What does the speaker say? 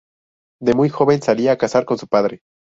De muy joven salía a cazar con su padre.